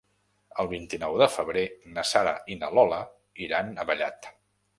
El vint-i-nou de febrer na Sara i na Lola iran a Vallat.